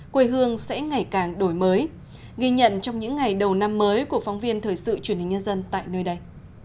quê hương sẽ ngày càng đổi mới ghi nhận trong những ngày đầu năm mới của phóng viên thời sự truyền hình nhân dân tại nơi đây